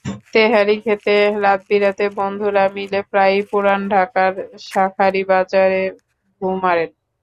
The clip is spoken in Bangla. তেহারী খেতে রাতবিরাতে বন্ধুরা মিলে প্রায়ই পুরান ঢাকার শাঁখারী বাজারে ঢুঁ মারেন।